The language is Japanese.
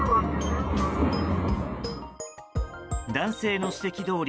男性の指摘どおり